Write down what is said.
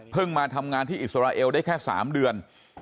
เพิ่งมาทำงานที่อิสราเอลได้แค่สามเดือน